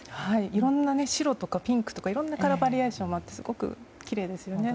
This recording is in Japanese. いろいろ、白とかピンクとかいろんなカラーバリエーションもあってすごくきれいですよね。